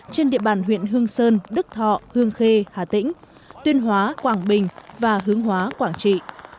trên địa bàn huyện hương sơn đức thọ hương khê hà tĩnh tuyên hóa quảng bình và hướng hóa quảng trị